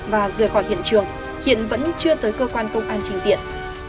và rời khỏi hiện trường hiện vẫn chưa tới cơ quan công an trình diện